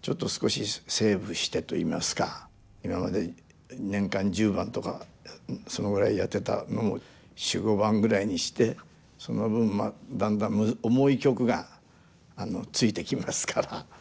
ちょっと少しセーブしてといいますか今まで年間十番とかそのぐらいやってたのを四五番ぐらいにしてその分まあだんだん重い曲がついてきますからはい責任も重くなるし。